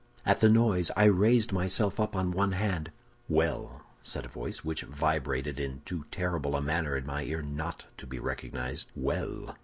"At the noise I raised myself up on one hand. "'Well,' said a voice which vibrated in too terrible a manner in my ear not to be recognized, 'well!